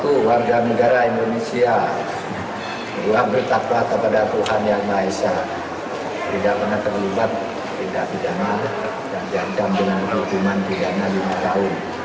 satu warga negara indonesia berdua bertaklata pada tuhan yang maha esa tidak pernah terlibat tidak pidana dan jangka dengan hukuman pidana lima tahun